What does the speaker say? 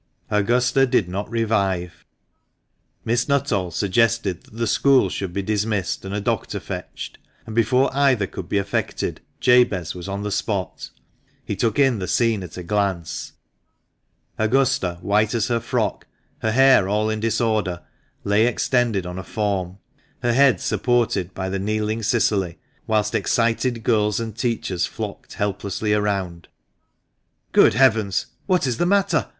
Augusta did not revive. Miss Nuttall suggested that the school should be dismissed, and a doctor fetched ; and, before either could be effected, Jabez was on the spot. He took in 230 THE MANCHESTEk MAN. the scene at a glance ; Augusta, white as her frock, her hair all in disorder, lay extended on a form, her head supported by the kneeling Cicily, whilst excited girls and teachers flocked helplessly around. " Good heavens ! what is the matter